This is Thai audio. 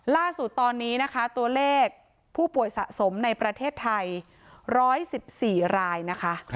ล่าสุดตอนนี้นะคะตัวเลขผู้ป่วยสะสมในประเทศไทย๑๑๔รายนะคะ